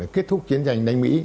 kết thúc chiến tranh đánh mỹ